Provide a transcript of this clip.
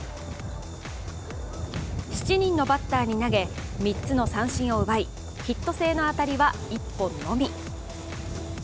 ７人のバッターに投げ３つの三振を奪いヒット性の当たりは１本のみ。